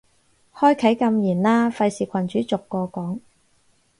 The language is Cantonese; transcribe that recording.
開啟禁言啦，費事群主逐個講